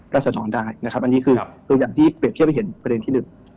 ศรได้นะครับอันนี้คือตัวอย่างที่เปรียบเทียบให้เห็นประเด็นที่หนึ่ง